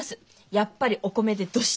やっぱりお米でどしっと。